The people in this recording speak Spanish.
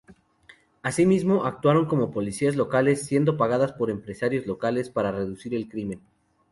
Asimismo, actuaron como policías locales, siendo pagadas por empresarios locales para reducir el crimen.